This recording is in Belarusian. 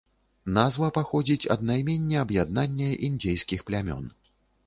Назва паходзіць ад наймення аб'яднання індзейскіх плямён.